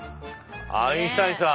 アインシュタインさん！